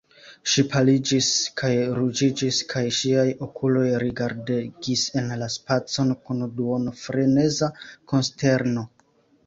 Ŝi paliĝis kaj ruĝiĝis, kaj ŝiaj okuloj rigardegis en la spacon kun duonfreneza konsterno.